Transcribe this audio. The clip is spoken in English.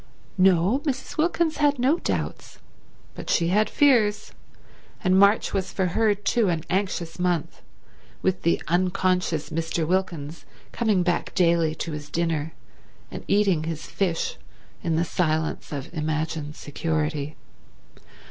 No, Mrs. Wilkins had no doubts, but she had fears; and March was for her too an anxious month, with the unconscious Mr. Wilkins coming back daily to his dinner and eating his fish in the silence of imagined security.